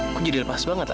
aku jadi lepas banget lah